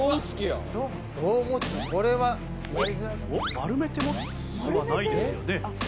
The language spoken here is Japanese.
丸めて持つはないですよね？